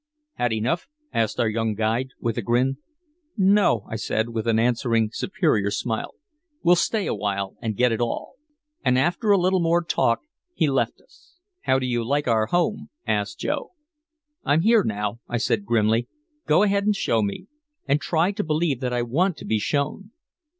"Had enough?" asked our young guide, with a grin. "No," I said, with an answering superior smile. "We'll stay a while and get it all." And after a little more talk he left us. "How do you like our home?" asked Joe. "I'm here now," I said grimly. "Go ahead and show me. And try to believe that I want to be shown."